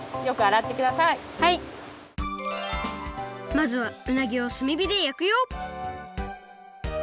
まずはうなぎをすみびで焼くよ